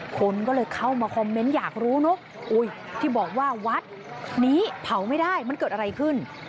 คนก็เลยเข้ามาคอมเมนต์อยากรู้เนอะที่บอกว่าวัดนี้เผาไม่ได้มันเกิดอะไรขึ้น